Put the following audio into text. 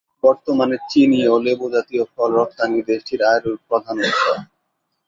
বর্তমানে চিনি ও লেবু জাতীয় ফল রপ্তানি দেশটির আয়ের প্রধান উৎস।